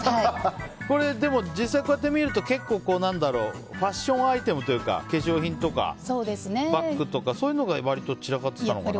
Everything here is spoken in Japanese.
でも実際こうやってみると結構ファッションアイテムというか、化粧品とかバッグとかそういうのが散らかってたのかな。